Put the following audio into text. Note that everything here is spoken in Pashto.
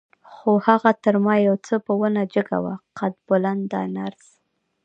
خو هغه تر ما یو څه په ونه جګه وه، قد بلنده نرس.